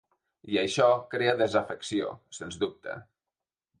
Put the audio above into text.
I això crea desafecció, sens dubte.